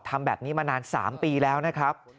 ทำแบบนี้มานาน๓ปีแล้วนะครับ